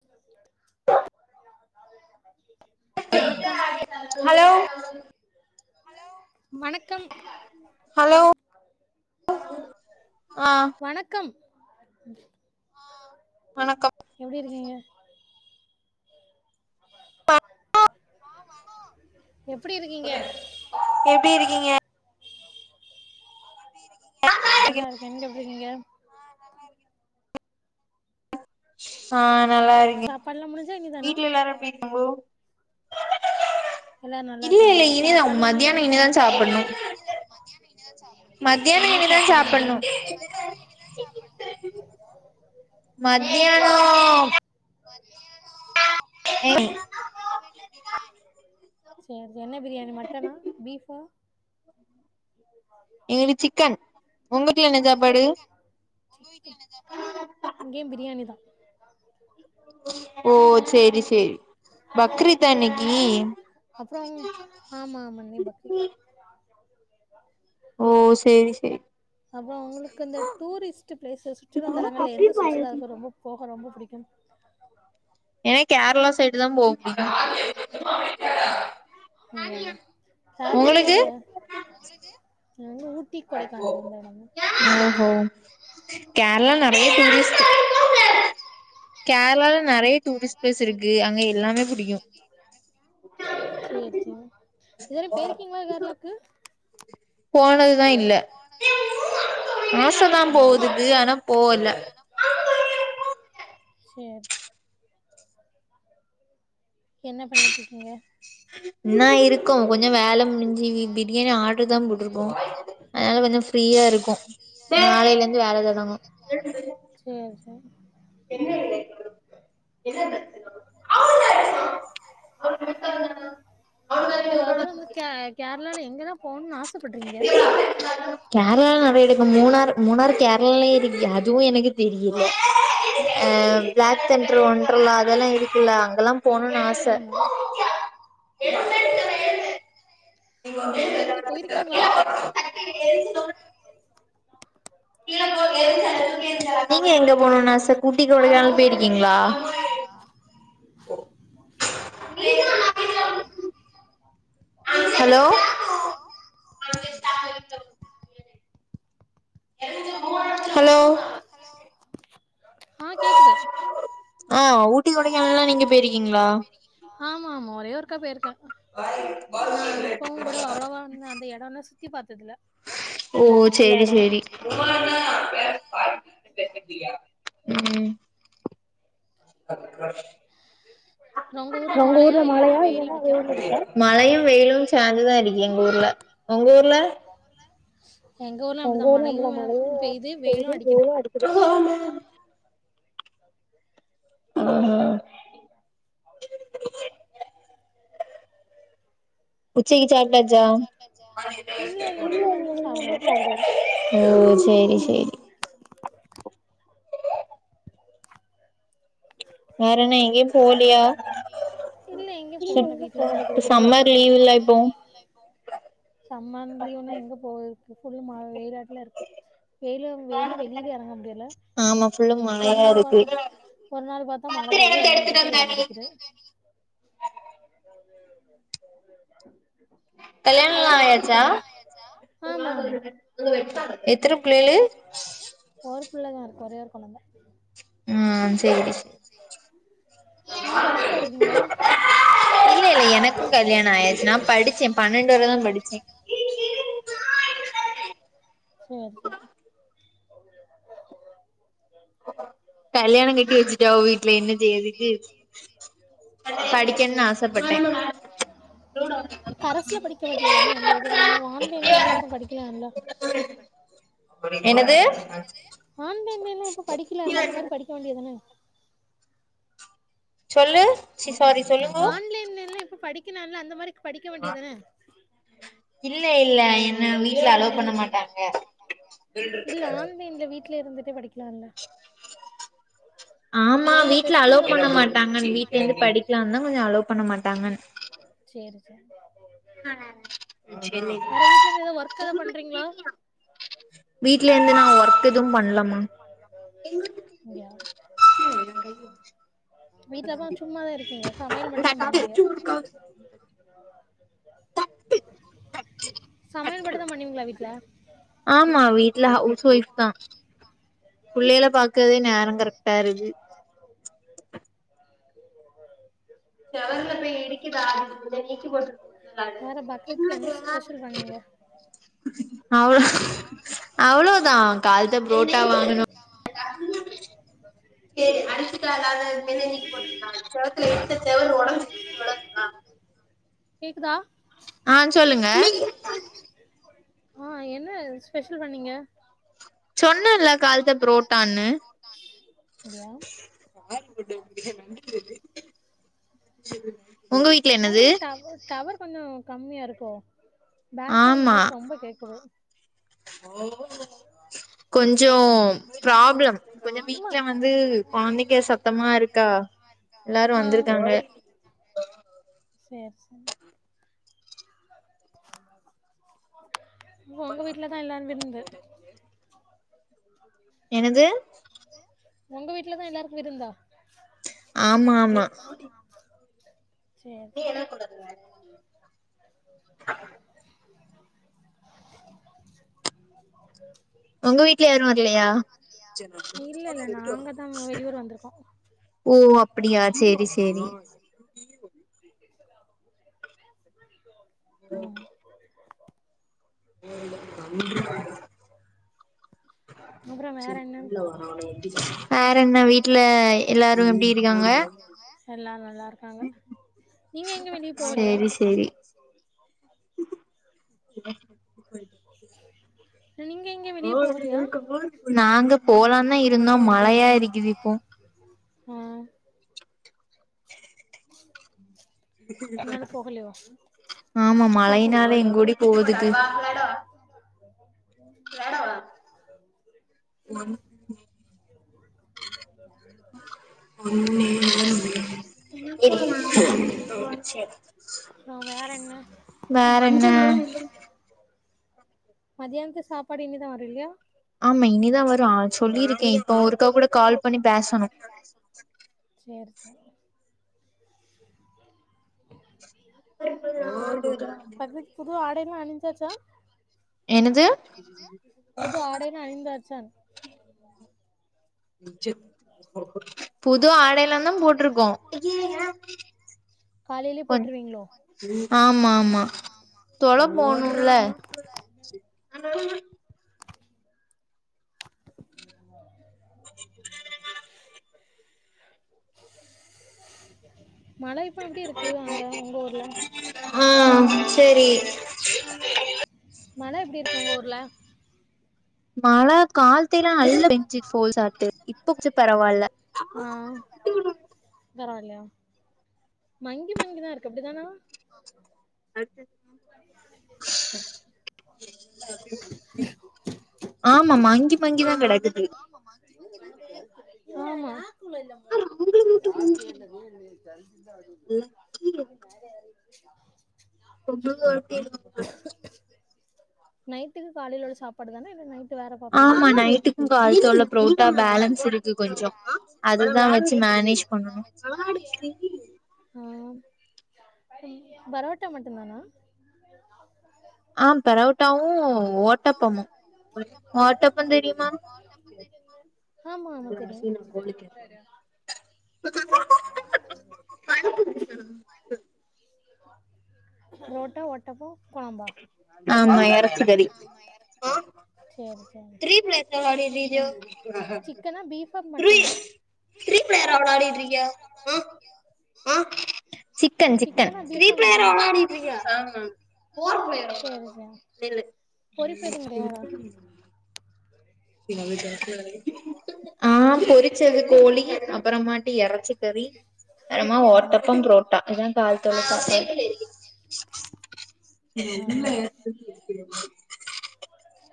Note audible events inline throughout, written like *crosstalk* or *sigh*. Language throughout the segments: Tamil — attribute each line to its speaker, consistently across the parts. Speaker 1: கேக்குதா
Speaker 2: ஹலோ
Speaker 1: வணக்கம் வணக்கம் ஆஹா எப்டி இருக்கீங்க ஆமா எப்படி இருக்கீங்க நல்லா இருக்கே நீங்க எப்டி இருக்கீங்க
Speaker 2: ஆஹா நல்லா இருக்கே வீட்டுல எல்லாரும் எப்டி இருக்கிங்கோ
Speaker 1: எல்லாரு நல்லா இருக்காங்க சாப்பாடுல முடிஞ்சா இனிதானா
Speaker 2: மதியான இனிதா சாப்பிடணு மதியா
Speaker 1: மதியான
Speaker 2: ம்
Speaker 1: செரி செரி என்ன பிரியாணி மட்டனா பீஃபா உம்
Speaker 2: எங்களது சிக்கன் உங்கூட்ல என்ன சாப்பாடு
Speaker 1: இங்கயும் பிரியாணி தா
Speaker 2: ஓ சேரி சே தேய்
Speaker 1: ஓ சேரி சேரி அப்புறம் என்ன *unintelligible* ஆமா ஆமா அன்னக்கீ பக்ரீத் அப்புறம் உங்களுக்கு இந்த டூரிஸ்ட் பிளேஸ் சுற்றுலா தலங்கள்ல எந்த சுற்றுலா ரொம்ப போக ரொம்ப பிடிக்கும் *inaudible*
Speaker 2: என கேரளா சைட்
Speaker 1: எனக்கு கேரள சைடு தான் போக புடிக்கும் அப்டியா கேரளல எங்க உங்களுக்கு
Speaker 2: ஓஹோ கேரளா நறைய டூரிஸ்ட் கேரள நறைய டூரிஸ்ட் ப்ளேஸ் இருக்கு அங்க எல்லாமே புிடிக்கும் போனது
Speaker 1: போனதுதான் இல்லை மாசம் தான் போகுதுக்கு ஆனா போல சரி என்ன பண்ணிட்டுருக்கீங்க
Speaker 2: ன்ன இருக் இருக்கும் கொஞ்சம் வேலை முடிஞ்சு பிரியாணி ஆர்டரு தான் போட்டிருக்கோம் அதனால கொஞ்சம் ஃப்ரீயா இருக்கும் நாளையிலருந்து வேல தொடங்கும் *inaudible*
Speaker 1: அப்றோம் கே கேர் ளால எங்கதான் போன்னுனு ஆஸ்
Speaker 2: கேரளலா நறைய ப்ப மூணாறு மூணார் கேரளலயே இருக்கு அதுவும் எனக்கு தெரியல அஹ் பிளாக் தென்டர் ஒன்றலா அதெல்லாம் இருக் இல்ல அங்கெல்லாம் போணும்னு ஆசை *unintelligible* *unintelligible*
Speaker 1: நீங்க எங்க போனும் ஆச ஊட்டி கொடைக்கானல் போயிருக்கீங்ளா
Speaker 2: ஹலோ ஹலோ
Speaker 1: ஆஹ் கேக்குது
Speaker 2: ஊட்டி கொடைக்கானல் நீங்க போயிருக்கீங்ளா
Speaker 1: ஆமா ஆமா ஒரே ஒருக்கா போயிருக்கேன்
Speaker 2: ஓ சேரி சேரி உம் *inaudible* உங்க ஊர்ல மழையா இல்லனா வெ மழையும் வெயிலும் சேந்துதான் அடிக்கி எங்க ஊர்ல உங்க ஊர்ல பொங்க ஊல அப்டிதா மழையும் பெயுது வேயும் அடிக்குது ஆ ஆஹ சரி சப்படாஜா இல்ல இல்ல இனிது மாதிரி தான் சாப்படும் ஓ சரி சரி
Speaker 1: வேற என்ன இங்கியும் போலாய இல்ல எங்க போல வீட்டுலதான் இருக்கபோறோம் சம்மர் லீவ்ல்ல சம்மர் லீ்வுனா எங்க போக் கொஞ்சமா வெயில அடிக்க இல்ல வெயில வெயில வெளியில இறங்க முடியல்ல ஒரு நாள் பார்த்தோ ஒரு நாள் பார்த்தா மழ பெய்யுது ஒரு நாள் பார்த்தா வெயில் அடிக்குது *inaudible*
Speaker 2: கல்யாணம்ல்லாம் ஆயாச்சா எத்தன புிள்ளையளு
Speaker 1: ஒரு புள்ளதான் இருக்கு ஒரே ஒரு குழந்தை
Speaker 2: உஹம் சேரி சேரி இல்ல இல்ல எனக்கும் கல்யாணம் ஆயச்ச நான் படிச்சேன் பன்னெண்டு வரைதான் படிச்சேன்
Speaker 1: சரி சரி கல்யாணம் கட்டி வச்சுட்டாவ வீட்டுல என்ன செய்யதிட்டு என்ன செய்றது செரி படிக்கணும்னு ஆச கரெஸ்ல படிக்க வேண்ட்டியாதானா எந்த இ ஆன்ன்ல இப்ப படிக்கலாம்ல
Speaker 2: அ என்னது அ
Speaker 1: இல்ல இப்ப படிக்கலாம்ல அந்த மாதிரி படிக்க வேண்டியதுானே
Speaker 2: சொல்லு சரி சொல்லுங்கோ இல்ல இல்ல என்ன வீட்டுல அலவு பண்ண மாட்டாங்க
Speaker 1: வீடல இருந்துட்டே படிக்கலாம்ல
Speaker 2: ஆமா வீட்டுல அலோவு பண்ண மாட்டாங்கன்னு வீட்ட ந்து படிக்கலாம்ந்தான் கொஞ்சம் அலோ பண்ண மாட்டாங்கு
Speaker 1: சரி வேற வீட்ல போய் ஏதோ ஒர்க் ஏதாவ பண்றீங்களா
Speaker 2: வீட்ல இருந்து நான் ஒர்க் எதுவும் பண்ணல
Speaker 1: சும்மா தான் இருக்கீங்க சமையல் மட்டுும்்தான் பண்ணுவீங்க ஆமா
Speaker 2: ஆமா வீட்டுல ஹவுஸ் ஒயப் தான் பிள்ளைளை பாக்கதே நேரம் கரெக்டா இருக்கு செவரல போய் இடிக்குத நீக்கி போட்டு அவோ அவளவுதான் ஆகால்ட்ட புரோட்டா வாங்கணு சேரி அடிசுக்க அதாவது பெண்ண நீக்கு போட்டுருக்கோம் கழுத்துல இடிச்சு செவுரு ஒடஞ்சு ல ஆ
Speaker 1: கேக்குதா
Speaker 2: ஆ சொல்லுங்க
Speaker 1: ஆஹ என்ன ஸ்பெஷல் பண்ணிங்க
Speaker 2: சொன் புட் ல கால்த புரோட்டானு *unintelligible* *inaudible* உங்க வீட்டுல என்னது
Speaker 1: கொஞ்சம் கம்மியா இருக்கோ பேக்கிரவுண்ட் நாய்ஸ் ரொம்ப கேக்குது
Speaker 2: ஓ கொஞ்சம் பிராப்ளம் கொஞ்சம் வீட்டு்ல வந்து குழந்தைக்க சத்தமா இருக்கா எல்லாரும் வந்திருக்காங்க
Speaker 1: சேரி சரி உங்க வீட்டுலதான் எல்லாரும் விருந்து
Speaker 2: என்னது
Speaker 1: உங்க வீட்டுலதான் எல்லாருக்கும் விருந்தா
Speaker 2: ஆமா ஆமா
Speaker 1: சேர் சரி *inaudible*
Speaker 2: உங்க வீட்டுல யாரும் வரலையா ஓ அப்படியா சேரி சேரி
Speaker 1: *inaudible* உம்
Speaker 2: நன்றி மேடம் வேற என்ன வீட்டுல எல்லாரும் எப்படி இருக்காங்க சரி சரி
Speaker 1: நீங்க எங்கேயும் வெளிய போகலையா
Speaker 2: நாங்க போலாம் தான் இருந்தோம் மழையா இருக்கிது இப்போ
Speaker 1: உம் *inaudible* என்னல போகலயா *inaudible* *inaudible*
Speaker 2: வேறன்ன
Speaker 1: மத்தியானத்து சாப்பாடு இனிதா வரு இல்லியா *inaudible* செரி செரி *unintelligible* *unintelligible* புது ஆ *inaudible* யெல்லா அணி்சாச்சா
Speaker 2: என்னது ம் புது ஆடைல்லாந்தா போட்ருக்கோ கொஞ் ஆமா ஆமா தொல போணுல்ல
Speaker 1: *inaudible* மலை இப்ப எப்படி இருக்கு அங்க உங்க ஊர்ல மலை எப்படி இருக்கும் உங்க ஊர்ல
Speaker 2: மழ கால் எல்லாம் அழுஞ்சி போல் சாட்டு இப்ப கொஞ்சம் பரவாயில்ல
Speaker 1: க்கறாலயா மங்கி மங்கிதா இருக் எப்டிதானா
Speaker 2: ஆமா மங்கி மங்கிதா கெடக்குது
Speaker 1: ஆமா *unintelligible*
Speaker 2: *unintelligible*
Speaker 1: நைட்டுக்கு காலில சாப்பாடு தானா இல்ல நைட்
Speaker 2: ஆமா நைட்டுக்கும் காலத்த உள்ள புரோட்டா பேலன்ஸ் இருக்கு கொஞ்சம் அததுதான் வச்சு மேனேஜ் பண்ணனும்
Speaker 1: ம் பரோட்ட மட்டும்தானா
Speaker 2: ஆஹ் பரட்டோவு ஓட்டப்பமு ஓட்டப்போ தெரியுமா
Speaker 1: *inaudible* ரோட்டா ஓட்டப்போ
Speaker 2: ஆமா யாராசக்காரி ஆ திரிபளர் அவள ஆடீா ஆஹஹ சிக்கன் சிக்க த பளர் அவளீா ஹா போறய *inaudible* என்ன விச்சா ஹா பொரிச்சது கோழி அப்புறமாட்டு இறச்சி கறி அப்புறமா ஓட்டப்பம் புரோட்டா ஏா காலத்துள்ள ச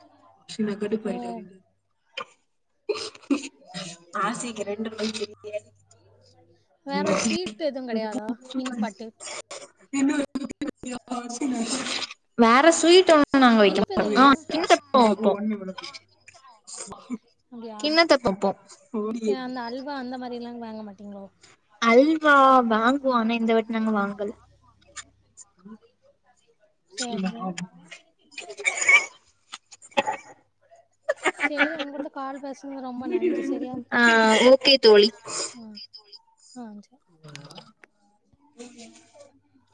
Speaker 2: *unintelligible* ச்ம்
Speaker 1: வேற ஸ்வீட் எதுவும் கிடையாதா இனிப்பட்டு
Speaker 2: வேற ஸ்வீட் நாங்க வைக்கமட்டோ போ-போ கினத்த போப்போம்
Speaker 1: வாங்கமாட்ட
Speaker 2: அது ஹா வாங்குவோம் இந்த வாட்டி நாங்க வாங்கல
Speaker 1: செரி உங்களிட்ட கால் பேசுனது ரொம்ப நன்றி செரியா ஹா செரி
Speaker 2: உம்